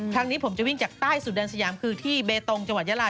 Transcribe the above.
ครั้งนี้ผมจะวิ่งจากใต้สุดแดนสยามคือที่เบตงจังหวัดยาลา